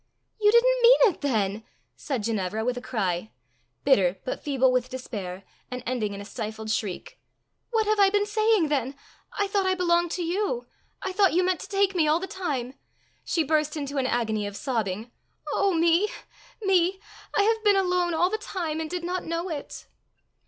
"You didn't mean it then!" said Ginevra, with a cry bitter but feeble with despair and ending in a stifled shriek. "What have I been saying then! I thought I belonged to you! I thought you meant to take me all the time!" She burst into an agony of sobbing. "Oh me! me! I have been alone all the time, and did not know it!"